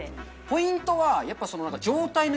ポイントはやっぱ。